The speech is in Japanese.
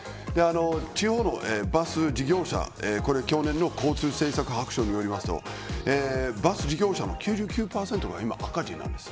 地方のバス事業者は去年の交通政策白書によりますとバス事業者の９９％が今、赤字なんです。